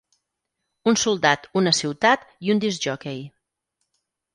Un soldat, una ciutat i un discjòquei.